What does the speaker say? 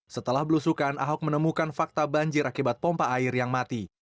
setelah belusukan ahok menemukan fakta banjir akibat pompa air yang mati